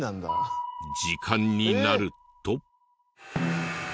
時間になると。